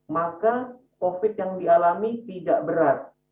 maka covid yang dialami tidak berat